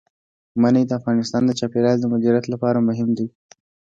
منی د افغانستان د چاپیریال د مدیریت لپاره مهم دي.